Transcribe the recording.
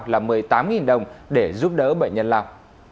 là một mươi tám đồng để giúp đỡ bệnh nhân lào